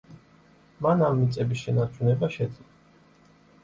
მან ამ მიწების შენარჩუნება შეძლო.